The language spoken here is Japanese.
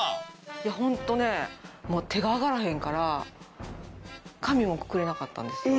いやホントねもう手が上がらへんから髪もくくれなかったんですよ。